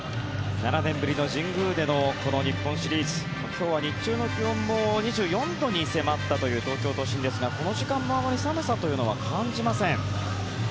７年ぶりの神宮でのこの日本シリーズ。今日は日中の気温も２４度に迫ったという東京都心ですがこの時間もあまり寒さというのは感じません。